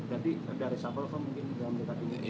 jadi dari sabol kok mungkin sudah mendatangi